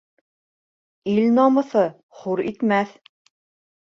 Ил намыҫы хур итмәҫ.